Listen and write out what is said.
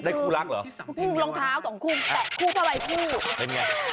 ได้คู่รักเหรอคู่รองเท้าสองคู่แตะคู่ประวัยคู่เห็นไง